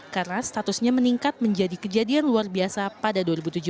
karena statusnya meningkat menjadi kejadian luar biasa pada dua ribu tujuh belas